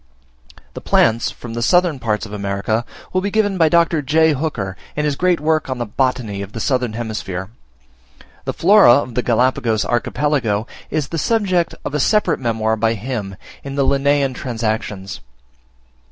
The plants from the southern parts of America will be given by Dr. J. Hooker, in his great work on the Botany of the Southern Hemisphere. The Flora of the Galapagos Archipelago is the subject of a separate memoir by him, in the 'Linnean Transactions.'